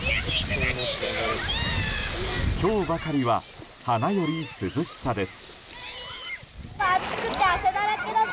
今日ばかりは花より涼しさです。